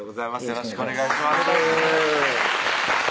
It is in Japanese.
よろしくお願いします